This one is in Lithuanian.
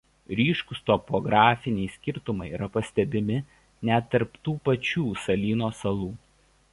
Ryškūs topografiniai skirtumai yra pastebimi net tarp tų pačių salynų salų.